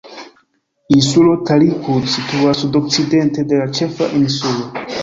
Insulo Talikud situas sudokcidente de la ĉefa insulo.